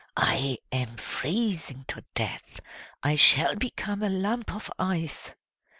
I am freezing to death; I shall become a lump of ice!"